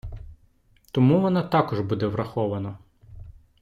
Тому воно також буде враховано.